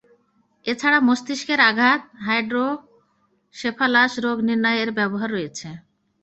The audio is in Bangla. এছাড়া মস্তিষ্কের আঘাত, হাইড্রোসেফালাস রোগ নির্ণয়ে এর ব্যবহার রয়েছে।